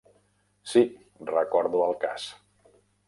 Sí, recordo el cas.